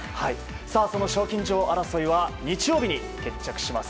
その賞金女王争いは日曜日に決着します。